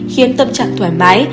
khiến tâm trạng thoải mái